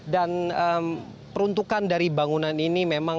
dan peruntukan dari bangunan ini memang